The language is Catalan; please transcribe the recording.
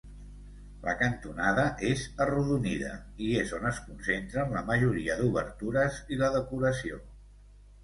La cantonada és arrodonida i és on es concentren la majoria d'obertures i la decoració.